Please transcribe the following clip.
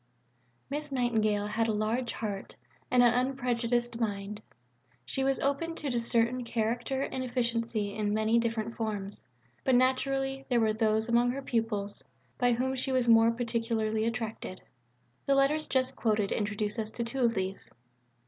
Miss Nightingale had a large heart and an unprejudiced mind; she was open to discern character and efficiency in many different forms; but naturally there were those, among her pupils, by whom she was more particularly attracted. The letters just quoted introduce us to two of these.